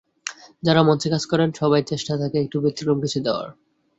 যারা মঞ্চে কাজ করেন, সবারই চেষ্টা থাকে একটু ব্যতিক্রম কিছু দেওয়ার।